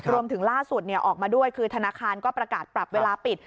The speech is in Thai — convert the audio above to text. รวมถึงล่าสุดออกมาด้วยคือธนาคารก็ประกาศปรับเวลาปิด